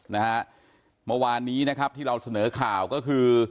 เมื่อวานที่เราเสนอข่าวก็คือ